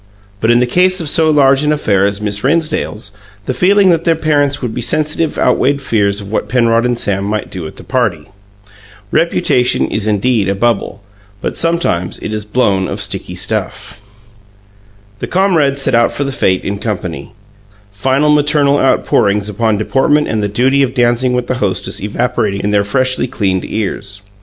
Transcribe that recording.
But in the case of so large an affair as Miss Rennsdale's, the feeling that their parents would be sensitive outweighed fears of what Penrod and Sam might do at the party. Reputation is indeed a bubble, but sometimes it is blown of sticky stuff. The comrades set out for the fete in company, final maternal outpourings upon deportment and the duty of dancing with the hostess evaporating in their freshly cleaned ears.